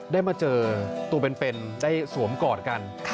ได้มาเจอตัวเป็นได้สวมกอดกัน